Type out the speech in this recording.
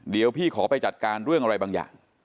เดี๋ยวพี่ขอไปจัดการเรื่องอะไรบางอย่าง